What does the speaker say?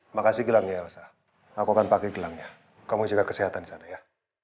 makasih gelangnya elsa aku akan pakai gelangnya kamu jaga kesehatan di sana ya